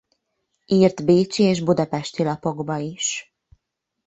Írt bécsi és budapesti lapokba is.